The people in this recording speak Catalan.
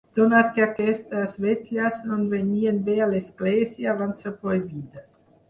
Donat que aquestes vetlles no venien bé a l'Església, van ser prohibides.